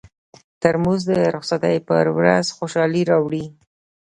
ترموز د رخصتۍ پر ورځ خوشالي راوړي.